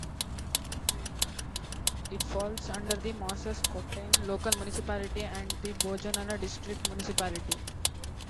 It falls under the Moses Kotane Local Municipality and the Bojanala District Municipality.